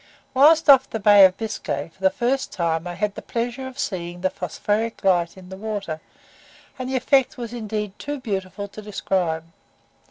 Whilst off the Bay of Biscay, for the first time I had the pleasure of seeing the phosphoric light in the water, and the effect was indeed too beautiful to describe.